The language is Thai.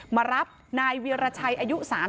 มารับนายเวียรชัยอายุ๓๐